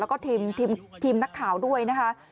แล้วก็ทีมนักข่าวด้วยนะคะ